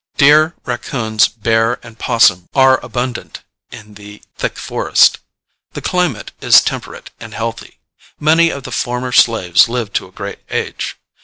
Deer, raccoons, bear and 'possum are abundant in the thick forest. The climate is temperate and healthy: many of the former slaves live to a great age.